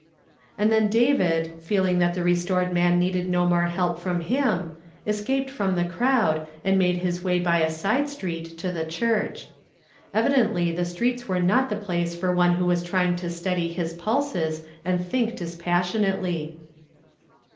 And then David, feeling that the restored man needed no more help from him, escaped from the crowd, and made his way by a side street to the church. Evidently the streets were not the place for one who was trying to steady his pulses and think dispassionately.